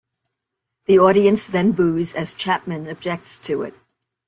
The audience then boos as Chapman objects to it.